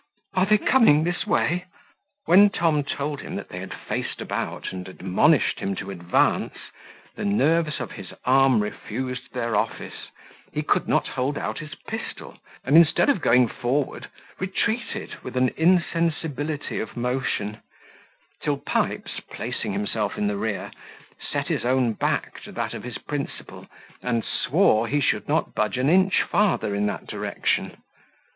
Are they coming this way?" When Tom told him that they had faced about, and admonished him to advance, the nerves of his arm refused their office, he could not hold out his pistol, and instead of going forward, retreated with an insensibility of motion; till Pipes, placing himself in the rear, set his own back to that of his principal, and swore he should not budge an inch farther in that direction.